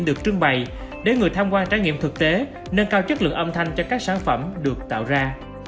được trưng bày để người tham quan trải nghiệm thực tế nâng cao chất lượng âm thanh cho các sản phẩm được tạo ra